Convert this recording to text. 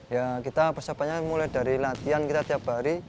ya kita persiapannya mulai dari latihan kita tiap hari